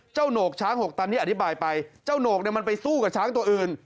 โหนกช้างหกตันที่อธิบายไปเจ้าโหนกมันไปสู้กับช้างตัวอื่น